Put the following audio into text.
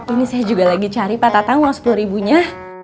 ini saya juga lagi cari pak tatang uang sepuluh ribunya